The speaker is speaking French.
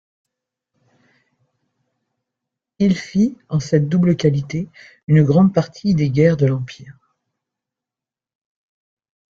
Il fit, en cette double qualité, une grande partie des guerres de l’Empire.